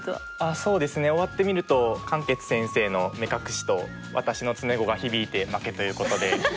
そうですね終わってみると漢傑先生の目隠しと私の詰碁が響いて負けということで。